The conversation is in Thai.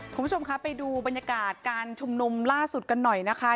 คุณผู้ชมคะไปดูบรรยากาศการชุมนุมล่าสุดกันหน่อยนะคะ